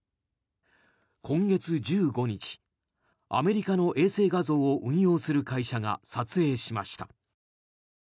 今月１５日アメリカの衛星画像を運用する会社が撮影しました。